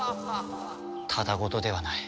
ただごとではない。